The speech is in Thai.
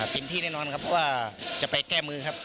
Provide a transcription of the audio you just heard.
ที่แน่นอนครับว่าจะไปแก้มือครับ